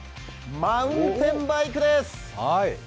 マウンテンバイクです。